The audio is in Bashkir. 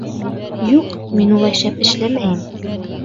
— Юҡ, мин улай шәп эшләмәйем.